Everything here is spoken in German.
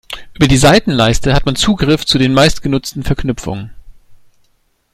Über die Seitenleiste hat man Zugriff zu den meistgenutzten Verknüpfungen.